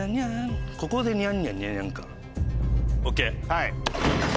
はい。